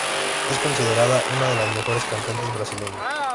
Es considerada una de las mejores cantantes brasileñas.